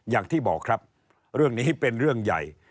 อย่างที่บอกครับเรื่องนี้เป็นเรื่องใหญ่